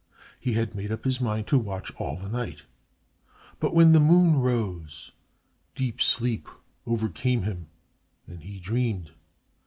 He had made up his mind to watch all the night; but when the moon rose, deep sleep overcame him and he dreamed.